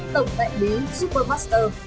tổng tại bí supermaster